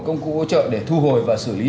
công cụ hỗ trợ để thu hồi và xử lý